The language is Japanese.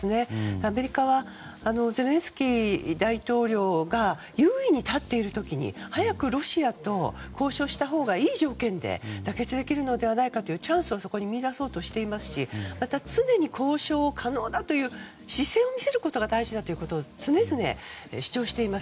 アメリカはゼレンスキー大統領が優位に立っている時に早くロシアと交渉がしたほうがいい条件で妥結できるのではないかというチャンスを見出そうとしていますし常に交渉可能という姿勢を見せることが大事だということを常々、主張しています。